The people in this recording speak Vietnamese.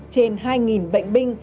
trên hai bệnh binh